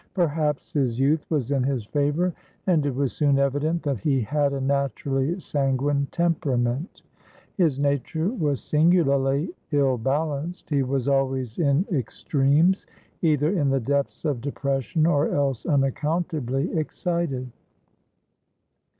Perhaps his youth was in his favour, and it was soon evident that he had a naturally sanguine temperament. His nature was singularly ill balanced, he was always in extremes either in the depths of depression or else unaccountably excited.